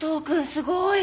すごい！